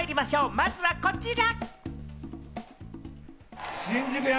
まずはこちら！